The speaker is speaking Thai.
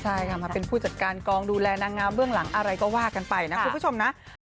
ใช่ค่ะมาเป็นผู้จัดการกองดูแลนางงามเบื้องหลังอะไรก็ว่ากันไปนะคุณผู้ชมนะ